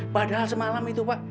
padahal semalam itu pak